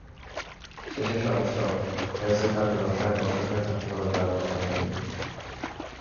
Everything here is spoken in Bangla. শেষে এসে অবশ্য হেলসের তাণ্ডবে অসহায় দর্শক হয়ে থাকতে হলো জয়াবর্ধনেকেই।